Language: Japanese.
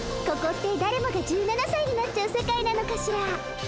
ここってだれもが１７さいになっちゃう世界なのかしら。